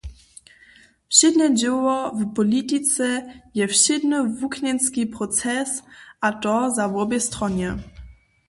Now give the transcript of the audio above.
Wšědne dźěło w politice je wšědny wuknjenski proces a to za wobě stronje.